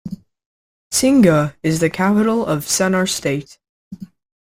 Singa is the capital of Sennar State.